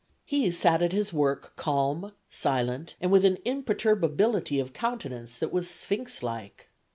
He sat at his work calm, silent, and with an imperturbability of countenance that was sphinx like.